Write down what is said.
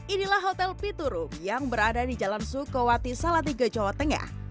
inilah hotel piturum yang berada di jalan sukowati salatiga jawa tengah